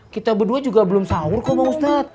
kita berdua juga belum sahur kok ustadz